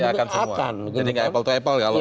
masih akan semua jadi gak epal epal ya loh